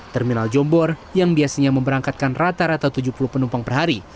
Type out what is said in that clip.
terminal jombor yang biasanya memberangkatkan rata rata tujuh puluh penumpang per hari